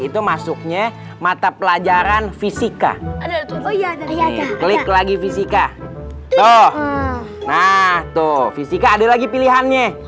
itu masuknya mata pelajaran fisika ya klik lagi fisika toh nah tuh fisika ada lagi pilihannya